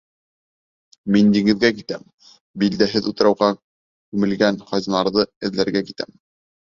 Мин диңгеҙгә китәм, билдәһеҙ утрауға күмелгән хазиналарҙы эҙләргә китәм!